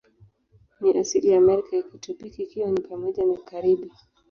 Ni asili ya Amerika ya kitropiki, ikiwa ni pamoja na Karibi.